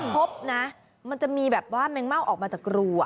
พบนะมันจะมีแบบว่าแมงเม่าออกมาจากรู